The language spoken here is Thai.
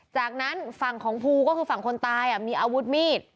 จากนั้นฝั่งของภูก็คือฝั่งคนตายมีอาวุธมีด